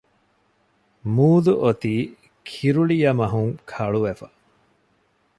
މޫދު އޮތީ ކިރުޅިޔަމަހުން ކަޅުވެފަ